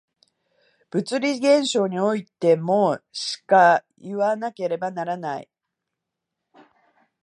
物理現象においてもしかいわなければならない。